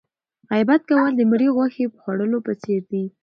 غیبت کول د مړي د غوښې خوړلو په څېر دی.